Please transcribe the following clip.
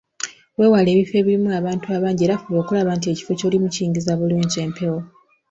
Weewale ebifo ebirimu abantu abangi era fuba okulaba nti ekifo ky’olimu kiyingiza bulungi empewo.